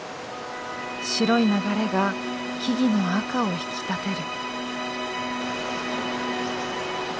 白い流れが木々の赤を引き立てる。